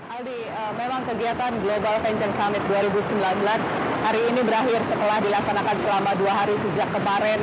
aldi memang kegiatan global venture summit dua ribu sembilan belas hari ini berakhir setelah dilaksanakan selama dua hari sejak kemarin